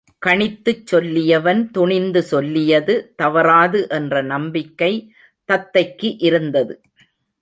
கணித்துச் சொல்லியவன் துணிந்து சொல்லியது தவறாது என்ற நம்பிக்கை தத்தைக்கு இருந்தது.